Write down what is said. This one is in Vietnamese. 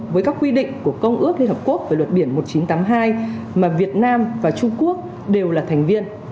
với các quy định của công ước liên hợp quốc về luật biển một nghìn chín trăm tám mươi hai mà việt nam và trung quốc đều là thành viên